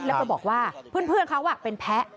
แล้วก็บอกว่าเพื่อนเขาเป็นแพ้